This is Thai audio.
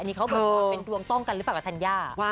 อันนี้เขาเป็นดวงต้มกันหรือเปล่ากับธัญญา